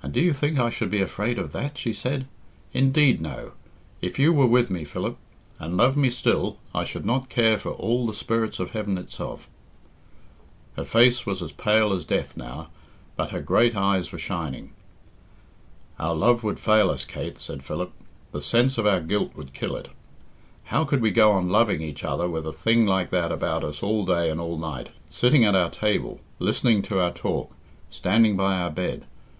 "And do you think I should be afraid of that?" she said. "Indeed, no. If you were with me, Philip, and loved me still, I should not care for all the spirits of heaven itself." Her face was as pale as death now, but her great eyes were shining. "Our love would fail us, Kate," said Philip. "The sense of our guilt would kill it. How could we go on loving each other with a thing like that about us all day and all night sitting at our table listening to our talk standing by our bed?